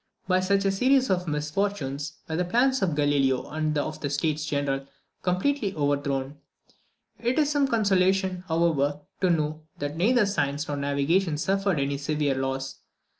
By such a series of misfortunes were the plans of Galileo and of the States General completely overthrown. It is some consolation, however, to know that neither science nor navigation suffered any severe loss.